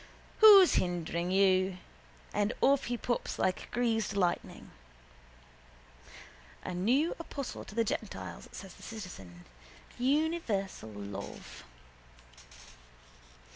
Who's hindering you? And off he pops like greased lightning. —A new apostle to the gentiles, says the citizen. Universal love.